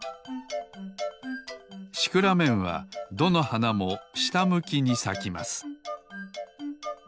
シクラメンはどのはなもしたむきにさきます